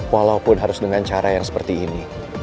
walaupun harus dengan cara yang seperti ini